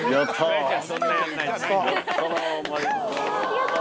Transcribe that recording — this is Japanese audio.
やった。